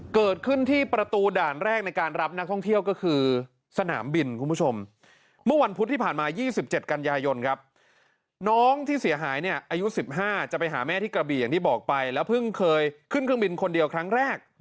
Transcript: เกิดขึ้นที่ประตูด่านแรกในการรับนักท่องเที่ยวก็คือสนามบินคุณผู้ชมเมื่อวันพุธที่ผ่านมา๒๗กันยายนครับน้องที่เสียหายเนี่ยอายุ๑๕จะไปหาแม่ที่กระบี่อย่างที่บอกไปแล้วเพิ่งเคยขึ้นเครื่องบินคนเดียวครั้งแรก